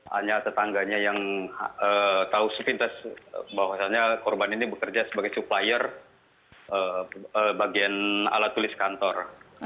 hanya tetangganya yang tahu sepintas bahwasannya korban ini bekerja sebagai supplier bagian alat tulis kantor